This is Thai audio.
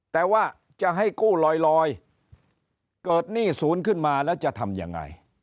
แต่ว่าจะให้กู้ลอยเกิดหนี้ศูนย์ขึ้นมาแล้วจะทำยังไง